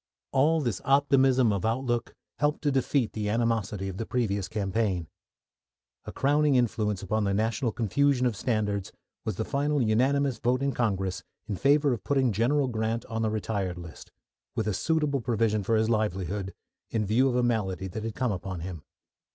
All this optimism of outlook helped to defeat the animosity of the previous campaign. A crowning influence upon the national confusion of standards was the final unanimous vote in Congress in favour of putting General Grant on the retired list, with a suitable provision for his livelihood, in view of a malady that had come upon him.